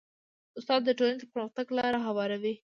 استاد د ټولنې د پرمختګ لاره هواروي.